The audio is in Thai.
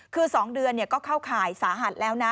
คือ๒เดือนก็เข้าข่ายสาหัสแล้วนะ